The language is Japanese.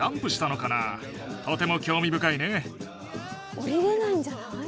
下りれないんじゃない？